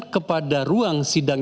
kepada ruang sidang